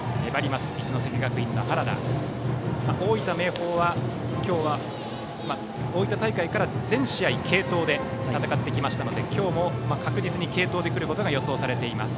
大分・明豊は大分大会から全試合継投で戦ってきましたので今日も確実に継投で来ることが予想されています。